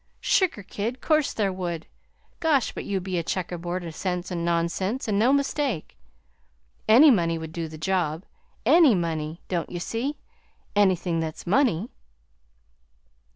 "Sugar, kid, 'course there would! Gosh, but you BE a checkerboard o' sense an' nonsense, an' no mistake! Any money would do the job any money! Don't ye see? Anything that's money."